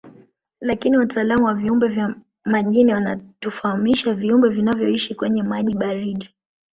Lakini wataalamu wa viumbe vya majini wanatufahamisha viumbe vinavyoishi kwenye maji baridi